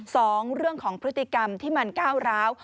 สองเรื่องของพฤติกรรมที่มันก้าวร้าว